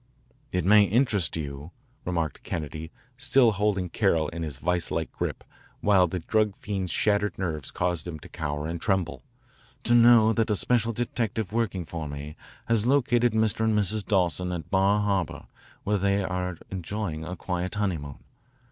"It may interest you," remarked Kennedy, still holding Carroll in his vise like grip, while the drug fiend's shattered nerves caused him to cower and tremble, "to know that a special detective working for me has located Mr. and Mrs. Dawson at Bar Harbor, where they are enjoying a quiet honeymoon.